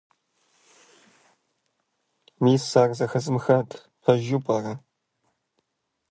Мис ар зэхэзмыхат. Пэжу пӏэрэ?